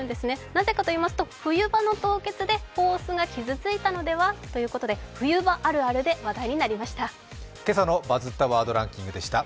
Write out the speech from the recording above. なぜかといいますと冬場の凍結でホースが傷ついたのではということで冬場あるあるで話題になりました。